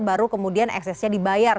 baru kemudian eksesnya dibayar